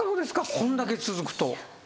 こんだけ続くと。